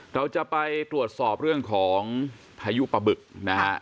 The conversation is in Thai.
เราจะไปตรวจสอบเรื่องของพายุปะบึกนะฮะ